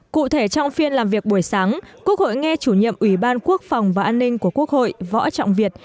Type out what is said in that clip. cụ thể trong phiên làm việc buổi sáng quốc hội nghe chủ nhiệm ủy ban quốc phòng và an ninh của quốc hội võ trọng việt